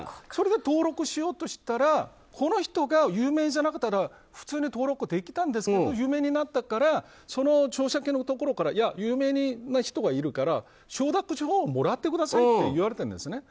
それで登録しようとしたらこの人が有名じゃなかったら登録できたんですけど有名になったからその承諾のところから有名な人がいるから承諾書をもらってくださいと言われたんです。